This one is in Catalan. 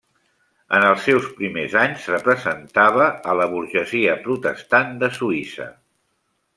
En els seus primers anys representava a la burgesia protestant de Suïssa.